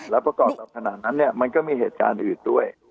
แล้วประกอบกับขณะนั้นมันก็มีเหตุการณ์อื่นด้วย